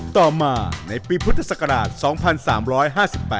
ต่อมาในปีพุทธศักราช๒๓๕๘